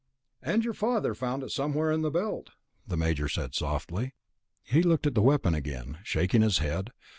"And your father found it somewhere in the Belt," the Major said softly. He looked at the weapon again, shaking his head.